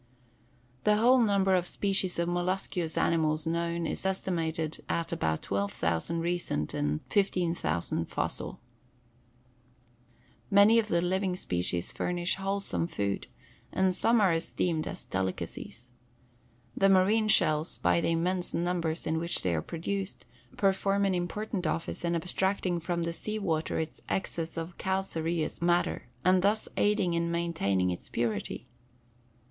The whole number of species of molluscous animals known is estimated at about twelve thousand recent and fifteen thousand fossil. Many of the living species furnish wholesome food, and some are esteemed as delicacies. The marine shells, by the immense numbers in which they are produced, perform an important office in abstracting from the sea water its excess of calcareous matter and thus aid in maintaining its purity.